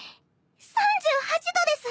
３８度です。